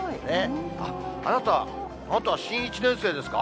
あっ、あなた、あなたは新１年生ですか？